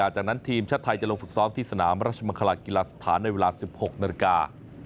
จากนั้นทีมชาติไทยจะลงฝึกซ้อมที่สนามรัชมาคลาศกิฤษฐานในเวลา๑๖นาที